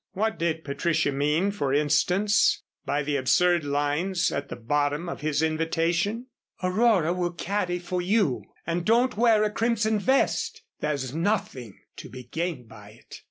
What did Patricia mean, for instance, by the absurd lines at the bottom of his invitation? "Aurora will caddy for you; and don't wear a crimson vest there's nothing to be gained by it."